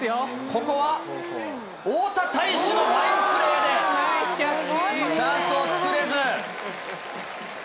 ここは、大田泰示のファインプレーでチャンスを作れず。